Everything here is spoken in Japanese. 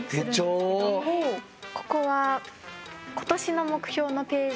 ここは今年の目標のページ。